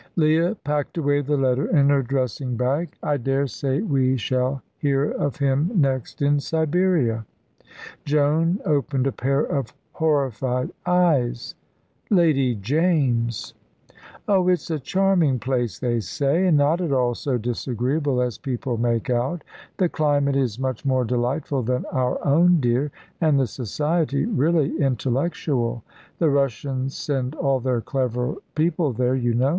Leah packed away the letter in her dressing bag. "I daresay we shall hear of him next in Siberia." Joan opened a pair of horrified eyes. "Lady James!" "Oh, it's a charming place, they say, and not at all so disagreeable as people make out. The climate is much more delightful than our own, dear, and the society really intellectual. The Russians send all their clever people there, you know.